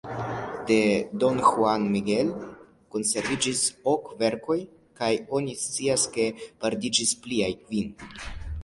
De don Juan Manuel konserviĝis ok verkoj, kaj oni scias ke perdiĝis pliaj kvin.